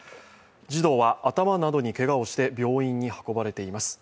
児童は頭などにけがをして病院に運ばれています。